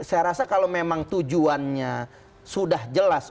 saya rasa kalau memang tujuannya sudah jelas